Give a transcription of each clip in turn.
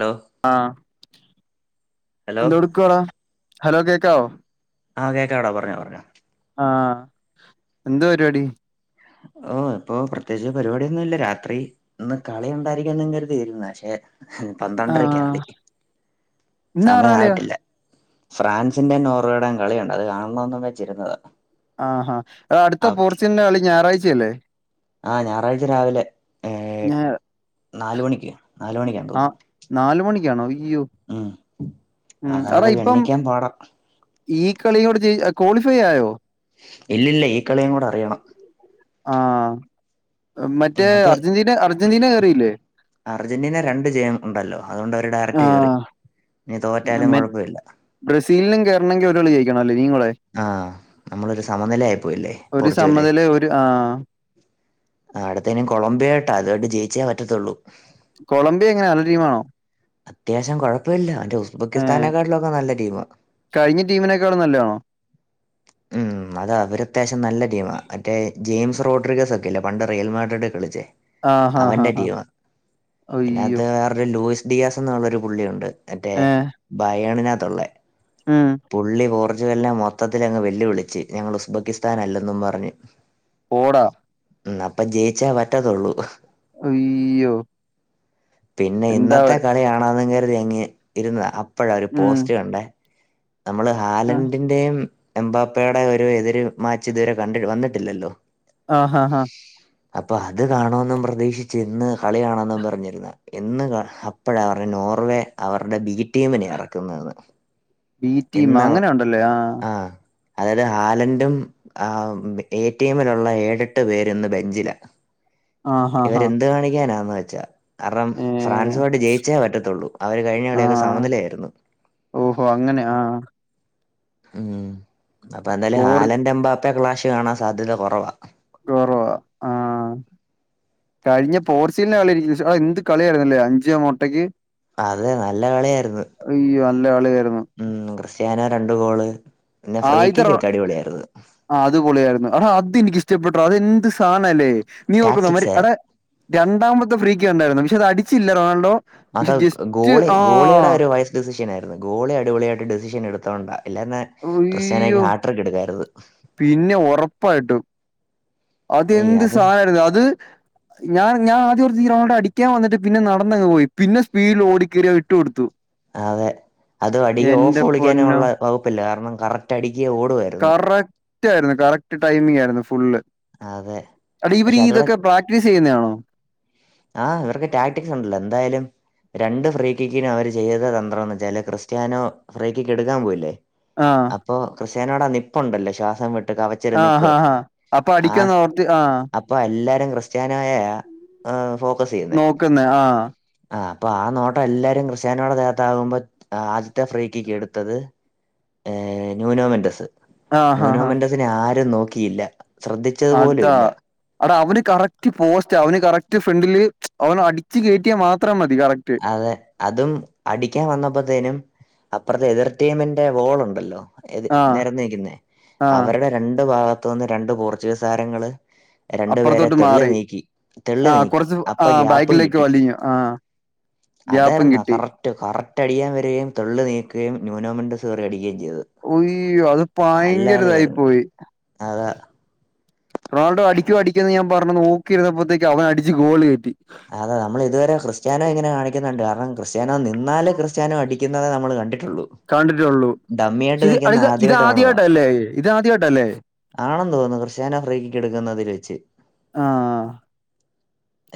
Hello ആ hello എന്തുടുക്കുവാടാ hello കേക്കാവോ ആ കേക്കാടാ പറഞ്ഞോ പറഞ്ഞോ ആ എന്ത പരിപാടി ഓ ഇപ്പൊ പ്രത്യേകിച്ച് പരിപാടിയൊന്നുല്ല രാത്രി ഇന്ന് കളി ഉണ്ടായിരിക്കുന്ന് കരു തീര്ന്ന പക്ഷെ പന്ത്രണ്ടരക്ക ആഹ് കളി ഇന്നാറാളിയാ സമയായിട്ടില്ല ഫ്രാൻസിന്റെ നോർവേടേം കളിയുണ്ട് അത് കാണുന്ന് വെച്ചിരുന്നതാ ആഹാ എടാ ആ അടുത്ത പോർച്ചുൽ ന്റെ കളി ഞായറാഴ്ചയല്ലേ ആ ഞായറാഴ്ച രാവിലെ ഏ ഞായർ നാല് മണിക്ക് നാലുമണിക്കാ ആഹ് തോന്നുന്നു നാല് മണിക്കാണോ അയ്യോ ഉം എടാ അങ്ങനത് ഇപ്പം ഗണ്ണിക്കാൻ പാടാ ഈ കളിയോട് [unintelligible] ക്വാളിഫൈ ആയോ? ഇല്ല ല്ല ഈ കളിയും കൂടെ അറിയണം. ആഹ. മറ്റേ അത് അർജന്റീന അർജന്റീന കയറിയില്ലേ? അർജന്റീന രണ്ട് ജയം ഉണ്ടല്ലോ. അതുകൊണ്ട് അവര് ഡയറക്ട് കയറി. ആഹ് ഞ്ഞി തോറ്റാലും മെ കൊഴപ്പല്ല. ബ്രസീലിനും കയറണെങ്കി ഒരളി ജെയ് ണല്ല നീ കൂടെ ആ നമ്മളൊരു സമനില ആയിപ്പോയില്ലേ ഒരു പോർച്ചുഗല് സമനില ഒരു ആഹ് ആ അടുത്തേും കൊളംബിയോട്ടോ അതൊട്ട് ജയിച്ചേ പറ്റത്തുള്ളൂ കൊളംബിയ ങ്ങനെ നല്ല ടീമാണോ? അത്യാവശ്യം കുഴപ്പല്ല മറ്റേ ഏഹ് ഉസ്ബെക്കിസ്ഥാനെക്കാട്ടിലൊക്കെ നല്ല ടീംആ. കഴിഞ്ഞ ടീമിനെക്കാളും നല്ലട്ടീമാണോ? ഉം അത അവര് അത്യാവശ്യം നല്ല ടീമാണ്. മറ്റേ ജെയിംസ് റോഡ്രിഗസ് ഒക്കെല്ലേ പണ്ട് റിയൽമാർഡഡക്കെ കളിച്ചേ, ആഹ് ഹാ ഹാ അവന്റെ ഹാ ടീമ അയ്യോ അതിനകത്ത്. വടെ ലൂയിസ് ഡിയാസ് എന്നുള്ളൊരു പുള്ളിയുണ്ട് മറ്റേ ബയണിനകത്തുള്ളെ. ആഹ് പുള്ളി പോർച്ചുഗലിനെ മൊത്തത്തിൽ അങ്ങ് വെല്ലുവിളിച്ച് ഞങ്ങള് ഉസ്- ഉസ്ബക്കിസ്ഥാൻ അല്ലെന്നും പറഞ്ഞു വടെവാ ഉ അപ്പൊ ജയിച്ച പറ്റത്തുള്ളൂ അയ്യോ.. പിന്നെ എന്താ ഇന്നത്തെ കളിയണന്ന് കരുതി ഇങ്ങി ഇരുന്ന അപ് പ്പഴാ ഒരു ഉം പോസ്റ്റ് കണ്ടേ നമ്മള് ഹാലന്റിന്റെയും എംമ്പാപ്പയുടേം ഒരു എതിര് മാച്ച് ഇതുവരെ കണ്ട വന്നിട്ടില്ലല്ലോ? ആഹ ഹാ ആഹ. അപ്പൊ അത് കാണോന്നും പ്രതീക്ഷിച്ച് ന്ന് കളിയാണോെന്നും പറഞ്ഞിരുന്ന എന്ന് ഹ് പ്പോഴ അവരുടെ നോർവേ അവരുടെ ബി ടീമിനെ ഇറക്കുന്നതെന്ന് ബി ടീം ഇന്ന [inaudible] ആഹ് അതായത് ഹാലൻഡും ആഹ് എടിഎമ്മിലുള്ള ഏഴെട്ട് പേര് ഇന്ന് ബെജ്ജില. ആ ഹാ ഹാ ഇവരെന്ത് കാണിക്കാനാന്ന് വെച്ചാ കാരണം. ഏ ഫ്രാൻസുയിട്ട് ജയിച്ചേ പറ്റത്തുള്ളൂ. അവര് കഴിഞ്ഞ ആ കളെയൊക്കെ സമനിലയായിരുന്നു. ഓഹോ അങ്ങനെ ആഹ്. ഹ ഉം അപ്പൊ ന്തായാലും ഹാലൻന്റെ എംമ്പാപ്പ ക്ലാഷ് കാണാൻ സാധ്യത കുറവാ. കൊറവ ആഹ്. കഴിഞ്ഞ പോർച്ചീഗലിന്റെ കളിയിശ്രദ്ധിച്ചോ? ആഹ് എന്ത് കളിയായിരുന്നല്ലേ അഞ്ച മൊട്ടയ്ക്ക്. അതെ നല്ല കളിയായിരുന്നു അയ്യോ നല്ല കാളിയരുന്നു. ഉം ക്രിസ്ത്യാനോ രണ്ടു ഗോള്. പിന്നെ ഫ്രീക്കക്ക് അടിപൊളിയായിരുന്നു. ആഹ് അതുപൊളിയായിരുന്നു അടാ അതനിക്കിഷ്ടപ്പെെട്ട അതെ എന്ത് സാധന അല്ലേ നീ ഓർക്കു അമരി ടാറ്റിക്സ് അടാ രണ്ടാമത്തെ ഫ്രീക്ക് ഉണ്ടായിരുന്നു. പക്ഷെ അത് അടിച്ചില്ല റൊണാൾഡോ. പക്ഷെ അത ജസ്റ്റ് ഗോളി ആ ഗോളിയുടെ ഒരു വൈസ് ഡെസിഷനായിരുന്നു ഗോളി അടിപൊളിയായിട്ട് ഡെസിഷൻ എടുത്തുകണ്ട. ല്ലയിരുന്നേ.. അയ്യോ. പിന്നെ ഉറപ്പായിട്ടും. ഏയ് അതെന്ത് അത് സഹരഅത്. ഞാൻ ഞാ ആദ്യ ഒരുറൗണ്ട് അടിക്കാ വന്നട്ട് പിന്നെ നടന്നങ്ങ് പോയി. പിന്നെ സ്പീഡിൽ ഓടിക്കയറിയ വിട്ടു കൊടുത്തു. അതെ അതും അടെ ഓഫ് എന്റെ പൊന്നോ കളിക്കാനള്ള വകുപ്പില്ല. കാരണം കറക്റ്റ് അടക്ക് ഓടുവയിരുന്നു കറക്റ്റ് ആയിരുന്നു. കറക്റ്റ് ടൈമിംഗയിരുന്നു ഫുള്ള്. അതെ അടെ ഇവര് പക്ഷെ അതിവിടെ തൊക്കെ പ്രാക്ടീസ് ചെയ്യുന്നണോ? ആഹ് ഇവർക്ക് ടാക്ടിക്സ് ഉണ്ടല്ലോ? ന്തായാലും. രണ്ട് ഫ്രീക്കിക്കിനും അവര് ചെയ്ത തന്ത്രം എന്ന് വെച്ചാല് ക്രിസ്ത്യാനോ ഫ്രീക്കിക്ക് എടുക്കാൻ പോയില്ലേ? ആഹ്. അപ്പൊ ക്രിസ്യനോട നിപ്പുണ്ടല്ലോ ശ്വാസം വിട്ട് കവച്ചരു ആ നിപ്പ് ഹാ ഹാ അപ്പൊ അടിക്കന്ന് ഓർത്തി ആഹ് ഇപ്പൊ എല്ലാരും ക്രിസ്ത്യാനായ ഫോക്കസ് ചെയ്യുന്ന നോക്കുന്നെ ആ ആഹ് അപ്പൊ ആ നോട്ടം എല്ലാരും ക്രിസ്ത്യാനോടെ ആകുമ്പോ ആദ്യത്തെ അഫ്രീക്കയ്ക്ക് എടുത്തത് ഏർ ന്യൂനോമെന്റസ് ആ ഹാ ഹാ ന്യൂനോമെന്റസിനെ ആരും നോക്കിയില്ല. ശ്രദ്ധിച്ചത് പോലും അതാ ഇല്ല അടാ അവന് കറക്റ്റ് പോസ്റ്റ് അവന് കറക്റ്റ് ഫ്രണ്ടില് അവന അടിച്ചു കയറ്റിയാൽ മാത്രം മതി കറക്റ്റ് അതെ അതും അടിക്കാൻ വന്നപ്പോത്തേനും അപ്പറത്തെ എതിർടീമിന്റെ വോൾണ്ടല്ലോ ആ നിരന്ന നിക്കുന്നേ ആ അവരുടെ രണ്ടു ഭാഗത്തു നിന്ന് രണ്ടു പോർച്ചുഗീസ് താരങ്ങള് രണ്ടു പേരെ അപ്പുറത്തോട്ട് തെള് മാറി നീക്കി അപ്പൊ ഗ്യാപ്പും കിട്ടി. ആഹ് അതായിുന്നാ കറക്റ്റ് കറക്റ്റ് അടിയാൻ വരകയും തൊള് നീക്കുകയും ന്യൂനോമെൻറ്സ്യറി അടുകയും ചെയ്ത് അത് ഭയങ്കരതായി പോയി അതാ റൊണാഡോടിക്കോടിക്കെന്ന് ഞാൻ പറഞ്ഞു നോക്കിയിരുന്നപ്പോഴത്തേക്ക് അവൻ അടിച്ച് ഗോൾ കറ്റി അതെ നമ്മൾ ഇതുവരെ ക്രിസ്ത്യാനോ ഇങ്ങനെ കാണിക്കുന്നുണ്ട് കാരണം ക്രിസ്ത്യാനോ നിന്നാ ക്രിസ്ത്യാനോ അടിക്കുന്നതേ നമ്മൾ കണ്ടിട്ടുള്ളൂ ഡമ്മിയായിട്ട് കണ്ടിട്ടേുള്ളൂക്ഷ നിൽക്കുന്ന ഇത് ആദ്യമായിട്ട് കാണുക ആദ്യമായിട്ടല്ലേ ആണെന്ന് തോന്നുന്നു. ക്രിസ്റ്റിയന അഫ്രീക്കിക്ക് എടുക്കുന്നതിൽ വെച്ച് ആഹ്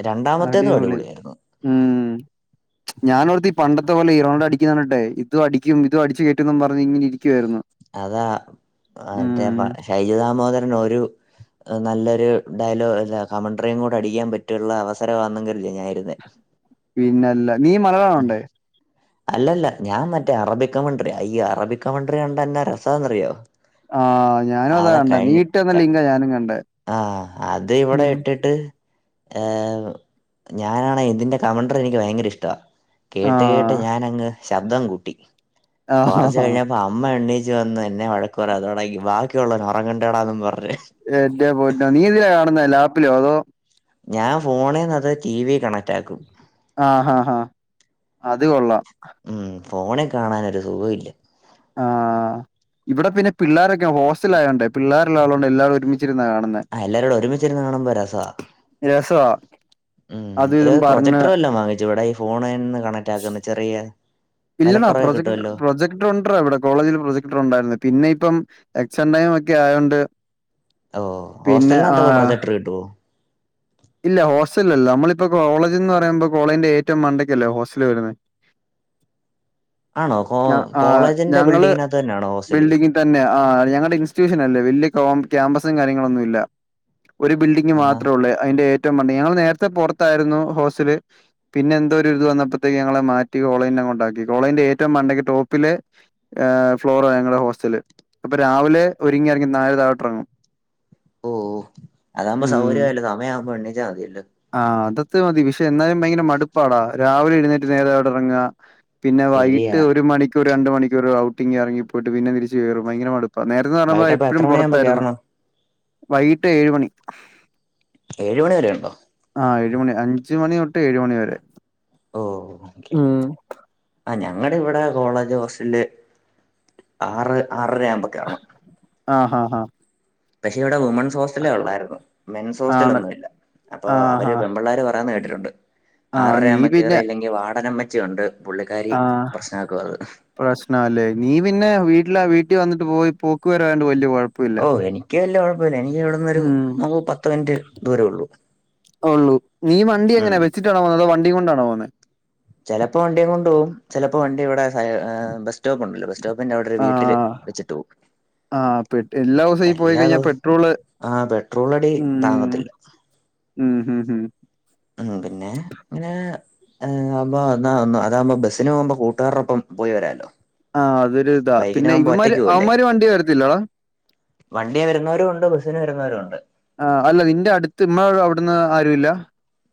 രണ്ടാമത്തേതും അടിപൊളി അടിപൊളിയായിരുന്നു ഞാനൻവിടത്ത് ഈ പണ്ടത്തെ പോലെ ഇറോഡ അടിക്കുന്നാണ്ട്ടെ ഇത്ടിക്കും ഇും അടിച്ചു കയറ്റുന്നും പറഞ് ഇങ്ങന ഇരിക്കുവായിരുന്നു. അതാ മറ്റേ ഉം ശൈജ ദാമോദരൻ ഒരു നല്ലൊരു ഡയലോഗ് അല്ല കമൻറിയും കൂടെ അടിക്കാൻ പറ്റുള്ള അവസരമാണെങ്കിലല്ല പിന്നെ പിന്നെല്ല നീ മലയാണോണ്ടേ അല്ലല്ല ഞാൻ മറ്റേ അറബി കമണ്ട്രി അയ്യോ അറബി കമട്രി കണ്ടന്നാ രസാന്ന്റിയോ ആഹ് ഞാനും അതാ കണ്ട നീട്ട എന്ന ലിങ്ക ഞാനും കണ്ടേ ആഹ് അത് ഇവിടെ ഉം ഇട്ടിട്ട് ഞാനാണ് ഇതിൻ്റെ കമൻണ്ടർ എനിക്ക് ഭയങ്കര ഇഷ്റ്റാ ആ കേട്ട് കേട്ട് ഞാനങ്ങ് ശബ്ദം കൂട്ടി ആ കൊറച്ച് കഴിഞ്ഞപ്പോ അമ്മ എണീച്ചു വന്ന് എന്നെ വഴക്ക് പറയാൻ തൊടങ്ങി ബാക്കിയുള്ളവർ ഉ റങ്ങട്ടെ ന്നും പറേഞ് എന്റെ പൊന്നു നീ ഏതിൽ ആ കാണുന്ന ലാപ്പിലോ അതോ ഞാൻ ഫോണിന്ന് അത് ടി വി കണക്റ്റ ആക്കും. ആ അത് കൊള്ളാം ഫോണെ കാണാനൊരു സുഖല്ല ആഹ ഇവിടെ പിന്നെ പിള്ളോരൊക്കെ ഹോസ്റ്റലായതൊണ്ട് പിള്ളേരുള്ളളുകൊണ്ട്ല്ലരും ഒരുമിച്ചിരുന്ന കാണുന്നുന്നത്. എല്ലാരും ഒരുമിച്ചിരുന്നു കാണുമ്പോ രസാ രസവാ അത് ഒരു ഇതും പറഞ്ഞ് പ്രൊജക്ടറ എല്ലാം വാങ്ങിച്ചുടെ? ഫോണിന്ന് കണക്ട് ആക്കുന്നു ചെറിയ ഇല്ലടാ വെലക്കുറവേ പ്രൊജക്ട് കിട്ടുമല്ലോ പ്രൊജക്ടർ ഉണ്ട ഇവിടെ കോളേജില് പ്രൊജക്ടർ ഉണ്ടായിരുന്നു. പിന്നെ ഇപ്പം എക്സടൈം ഒക്കെ ആയതോണ്ട് ഓ ഹോസ്റ്റലിനകത് പ്രൊജക്ടർ കിട്ടുവോ? ഇല്ല ഹോസ്റ്റലല്ലേ നമ്മളിപ്പൊ കോളേജ്ന്ന് പറയുമ്പോ കോളേജ്ന്റെ ഏറ്റവും മണ്ടയ്ക്കല്ലേ ഹോസ്റ്റൽല് വരുന്നത് ആണോ ഞ കോളേജിന്റെ ബിൽഡിങ്ങിനകത്തന്നെയാണോ ഹോസ്റ്റൽ? തന്നെഞങ്ങളുടെ ഇൻസ്റ്റിറ്റ്യൂഷൻ അല്ലേ വലിയ ക്യാമ്പസും കാര്യങ്ങളൊന്നും ഇല്ല ഒരു ബിൽഡിംഗ് ആഹാ മാത്രമേ ഉള്ളൂ. അതിന്റെ ഏറ്റവും പണ്ട ഞങ്ങൽ നേരത്തെ പുറത്തായിരുന്നു ഹോസ്റ്റൽ പിന്നെ എന്തോ ഇത് വന്നപ്പോഴത്തേക്ക് ഞങ്ങളെ മാറ്റി കോളയിന്റെ കൊണ്ടാക്കി കോളേന്റെ ഏറ്റവും മണ്ടയ്ക്ക് ടോപ്പില് ഫ്ലോർ ഞങ്ങളുടെ ഹോസ്റ്റല് അപ്പൊ രാവിലെ ഒരുങ്ങി ഇറങ്ങി നാല് താഴട്ട ഇറങ്ങും ഓ അതാകുമ്പോ ഉം സൗകര്യവല്ലേ സമയം ആവുമ്പോ എണ്ണച്ചാൽ മതിയല്ലോ ആഹ് അതത് മതി വിഷ എന്നായാലും ഭയങ്കര മടുപ്പാടാ രാവിലെ എഴുന്നേറ്റ്് നേരെ അവിടെ ഇറങ്ങുക പിന്നെ ശരിയാ വൈകിട്ട് ഒരു മണിക്കൂ രണ്ടണ്ട് മണിക്കൂർ ഔട്ടിങ് ഇറങ്ങിപ്പോയിട്ട് പിന്നെ തിരിച്ച കയറും ഭയങ്കര മടുക്കും. അപ്പൊ നേരത്തെ പറഞ്ഞുമ്പോ വൈകിട്ടപ്പ എപ്പോഴും എത്ര മണിയാകുമ്പോ പുറത്തായിരുന്നു കേറണം വൈകിട്ട് ഏഴ് മണി ഏഴ് മണി വരെ ഉണ്ടോ? ആ ഏഴ് മണി അഞ്ചുമണി തൊട്ട് ഏഴ് മണി വരെ ഓഹ് ഓകെ ഉം ആ ഞങ്ങളുടെ ഇവിടെ കോളേജ് ഹോസ്റ്റല് ആറ് ആറര ആവുമ്പോ കേറണം ആ ആഹ ആഹ പക്ഷെ ഇവിടെ വുമൻസ് ഹോസ്റ്റല് ഉള്ളായിരുന്നു മെൻസ് ഹോസ്റ്റല് ആണ് ഒന്നുമില്ല അപ്പൊ ആഹ് അവര് ഹാ പെൺപിള്ളേര് പറ ന്ന് കേട്ടിട്ടുണ്ട് ആഹ് ആറര നീ ആവുമ്പോ പിന്നെ കേറില്ലെങ്കിൽ വാർഡൻ അമ്മച്ചി ഉണ്ട് പുള്ളിക്കാരി പ്രശ്നമാക്കും അത് പ്രശ്നം അല്ലേ നീ പിന്നെ വീട്ടില വീട്ടിൽ വന്നിട്ട് പോയി പോക്ക് വരണ്ട് വലിയ കുഴപ്പമില്ല ഓ എനിക്ക് വല്യ കുഴപ്പില്ല എനിക്കിവിടെ ഉം ന്നൊരു പത്ത് മിനിറ്റ് ദൂരേ ഉള്ളൂ ഉം എങ്ങനെ ട്ട പോവുന്നത് വണ്ടി കൊണ്ടാണോ പോവുന്നത്? ചെലപ്പോ വണ്ടി കൊണ്ട് പോകും ചെലപ്പോ വണ്ടി ഇവിടെ ബസ് സ്റ്റോപ്പ് ഉണ്ടല്ലോ ബസ് സ്റ്റോപ്പിൻ്റെ അവിടെ ഒരു വീട്ടില് ആഹ് വച്ചിട്ട് പോകും ആഹ് എല്ലാ ദിവസവും ഈ പോയി എല്ലാ കഴിഞ്ഞാ ദിവസവും പെട്രോള് ആ പെട്രോൾ അടി ഉം താങ്ങത്തില്ല ഉം ഹം ഹം ആഹ് പിന്നെ അങ്ങനെ ആവുമ്പോ അതാകുമ്പോ ബസ്സിന് പോകുമ്പോ കൂട്ടുകാാരടൊപ്പം പോയിവരാല്ലോ ആഹ് അതൊരു ഇതാ പിന്നെ ഇവന്മാര് പോവല്ലേ അവന്മാര് വണ്ടി തരത്തില്ലടാ? വണ്ടിയെ വരുന്നവരും ഒണ്ട് ബസ്സിന് വരുന്നവരും ഒണ്ട്. ആ അല്ല നിന്റെ അടുത്ത് ഇമ്മ അവിടുന്ന് ആരു ഇല്ല?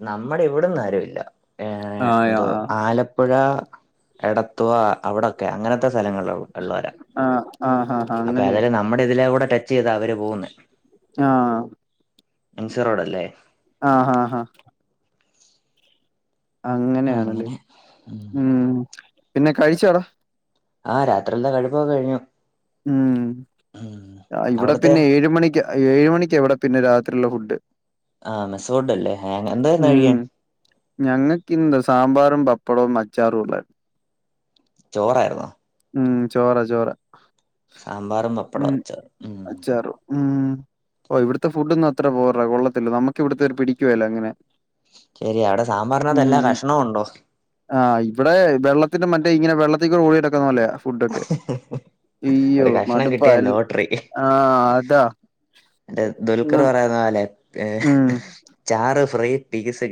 നമ്മുടെ ഇവിടന്നാരുല്ല ഏഹ് ആഹ് എന്തോ ആഹ് ആല ടപ്പുഴ എടത്തുവ അവിടൊക്കെ അങ്ങനത്തെ സ്ഥലങ്ങളള്ളൂ. ആഹ് ആ ഹാ ഹാ അങ്ങനെയ ഏതായാലും നമ്മുടെ ഇതിലെ കൂടെ ടച്ച് ചെയ്താ അവര് പോവുന്നെ. ആഹ്. എം സി റോഡല്ലേ. ആഹ് ഹാ ഹാ. [inaudible] അങ്ങനെയാണല്ലേ അങ്ങനെ ഉം പിന്നെ കഴിച്ചോ? ആഹ് രാത്രിൽത കഴിപ്പൊക്കെ കഴിഞ്ഞു. ഉം ഉം ഇവിടെ അവിടത്തെ പിന്നെ ഏഴ് മണിക്ക. ഏഴ് മണിക്കാ ഇവ്ടെ പിന്നെ രാത്രിള്ള ഫുഡ്. ആഹ് മെസ്സ് ഫൂഡല്ലേ ഹാങ്ങ് എന്തായിന്ന് ഉം കഴിക്കാൻ? ഞങ്ങക്കിന്ന് സാമ്പാറും പപ്പടവും അച്ചാറുംള്ള ചോറായിര്ന്നോ? ഉം ചോറ് ചോറ് സാമ്പാറും പപ്പടോം അച്ചാറും ഉം അച്ചാറും ഉം ഓഹ് ഇവിടുത്തെ ഫുഡ്ഡൊന്നും അത്ര പോര, കൊള്ളത്തില്ല നമ്മുക്ക് ഇവിടുത്തെ പിടിക്കുവേല അങ്ങനെ. ശരിയാ അവിടെ സാമ്പാറിനകത്ത് ഉം എല്ലാ കഷ്ണവു ഉണ്ടോ? ആഹ് ഇവിടെ വെള്ളത്തിൻ്റെ മറ്റേ ഇങ്ങനെ വെള്ളത്തിക്കൂടെ ഒഴ്കി നടക്കുന്ന പോലെ യാ ഫുഡ് ഒക്കെ ഹുംഹും. ഒരു കഷണം കിട്ടിയാ എൽ ലോട്ടറി, ആഹ് അതാ ദുൽഖർ ന്നും പറ യ്ന്നപോലെ ഹ്ഹ് ഉം ചാറ് ഫ്രീ പിസ്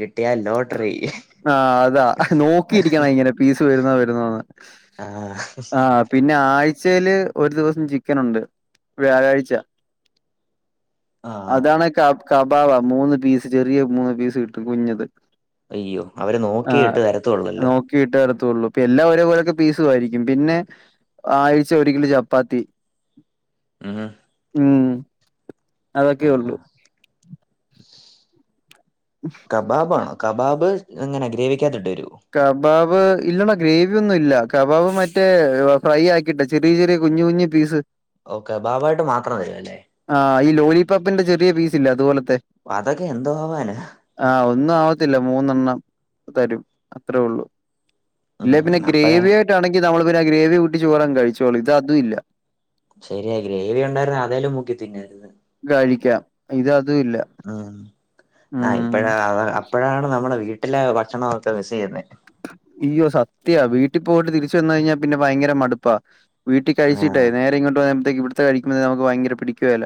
ആഹ് അതാ നോക്കിയിരിക്കണം ഇങ്ങനെ പീസ് വരുന്നോ വരുന്നോന്ന്. ആഹ് ഹ്ഹ്. ച്ചേല് ഒരു ദിവസം ചിക്കനുണ്ട് വ്യാഴാഴ്ച. ആഹ്. അതാണേ ക കബാവാ മൂന്ന് പീസ് ചെറിയ മൂന്ന് പീസ് കിട്ടും കുഞ്ഞത്. അയ്യോ അവര് നോക്കിയിട്ട് തരത്തു ള്ളല്ലോ. കീട്ടാരത്തൊള്ളു ഇപ്പയെല്ലാം ഒരേപോലത്തെ പീസുവായിരിക്കും പിന്നെ ആഴ്ചെയൊരിക്കല് ചപ്പാത്തി ഉംഹ് ഉം അതൊക്കെയൊള്ളു കബാബാണോ കബാബ് എങ്ങനെ ഗ്രേവിക്കാത്തിട്ടെരോ? കബാബ് ഇല്ലടാ ഗ്രേവിയൊന്നുല്ല കബാബ് മറ്റേ ഫ്രൈയാക്കിട്ട് ചെറിയ ചെറിയ കുഞ്ഞു കുഞ്ഞ് പീസ് ഓ കബാബായിട്ട് മാത്രവല്ലലേ? ആഹ ഈ ലോലിപോപ്പിന്റെ ചെറിയ പീസില്ലേ അതുപോലത്തെ അതൊക്കെ എന്തോ ആവാനാ? ആഹ് ഒന്നും ആവത്തില്ല മൂന്നെണ്ണം തരും അത്രേയൊള്ളു ഇല്ലേപിന്നെ ഉം അപ്പഴാ ഗ്രേവിയായിട്ടാണെങ്കി നമ്മള് പിന്നെ ആ ഗ്രേവി കൂട്ടി ചോറങ്ങ് കഴിച്ചോളും ഇത് അതുവില്ല ശെരിയാ ഗ്രേവിയൊണ്ടായിരുന്നേ അതേലും മുക്കി തിന്നായിര്ന്ന് കഴിക്കാം ഇത് അതുവില്ല ഉം ആഹ് ഇപ്പഴാ അപ്പഴാണ് നമ്മടെ വീട്ടിലെ ഭക്ഷണൊക്കെ മിസ്സെയ്യുന്നേ ഇയ്യോ സത്യയാ വീട്ടി പോയിട്ട് തിരിച്ച് വന്ന്കയിഞ്ഞാ പിന്നെ ഭയങ്കര മടുപ്പാ വീട്ടി കഴിച്ചിട്ടേ ആഹ് നേരെയിങ്ങോട്ട് വരുമ്പത്തേക്കും ഇവ്ടുത്തെ കഴിക്കുമ്പോതന്നെ നമുക്ക് ഭയങ്ക പിടിക്കുവേല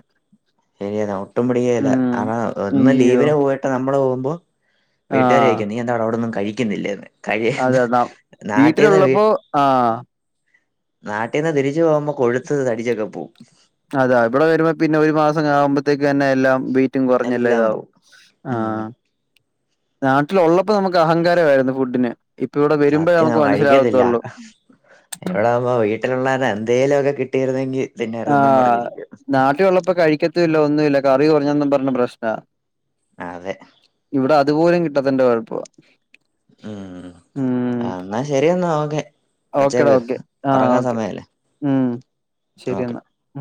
ശെരിയാത് ഒട്ടും പിടിക്കേല ഉം. കാരണം ഒന്ന് അയ്യോ! ലീവിന് പോയിട്ട് നമ്മള് പോകുമ്പോ വീട്ടാര് ആഹ്. ചോയിക്കും നീ എന്താടാ അവിടൊന്നും കഴിക്കുന്നില്ലേന്ന് കഴി അതെ ന നാട്ടീന്ന് വീ വീട്ടിലുള്ളപ്പോ ആഹ്. നാട്ടീന്ന് തിരിച്ച് പോകുമ്പോ കൊഴുത്ത് തടിച്ചൊക്കെ പോവും അതാ ഇവടെ വരുമ്പോ പിന്നെ ഒരു മാസം ആവുമ്പോത്തേക്ക് തന്നെ എല്ലാം വെ യ്റ്റും എല്ലാം കൊറഞ്ഞെല്ലായിതാവും പോവും ഉം ആഹ് നാട്ടിലൊള്ളപ്പോ നമ്മക്ക് അഹങ്കാരവായിരുന്നു ഫുഡിന് ഇപ്പൊവിടെ വരുമ്പേ നമുക്ക് മനസ്സിലാവത്തൊള്ളൂ ഇവിടാവുമ്പോ വീട്ടിലുള്ളത് എന്തേലൊക്കെ കിട്ടിയിരുന്നെങ്കി ആഹാ നാട്ടിയൊള്ളപ്പൊ കഴിക്കത്തുവില്ല ഒന്നുവില്ല കറി കൊറഞ്ഞെന്നും പറഞ്പ്രശ്നാ അതെ ഇവിടെ അതുപോലും കിട്ടാത്തെന്റെ കൊഴപ്പവാ ഉം ആ എന്നാ ശെരിയെന്നാ ഓക്കെ ഓക്കെടാ വെച്ചേക്ക് ഓക്കെ. ആ ഒറങ്ങാൻ ഓക്കെ. സമയായില്ലേ ഉം. ശരി ഓക്കെ എന്നാ.